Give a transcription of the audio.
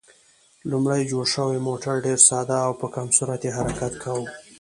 لومړی جوړ شوی موټر ډېر ساده و او په کم سرعت یې حرکت کاوه.